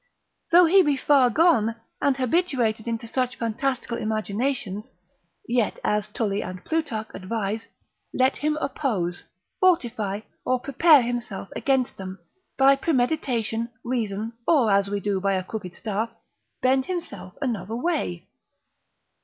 Though he be far gone, and habituated unto such fantastical imaginations, yet as Tully and Plutarch advise, let him oppose, fortify, or prepare himself against them, by premeditation, reason, or as we do by a crooked staff, bend himself another way.